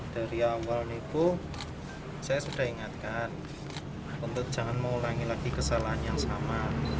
dari awal itu saya sudah ingatkan untuk jangan mengulangi lagi kesalahan yang sama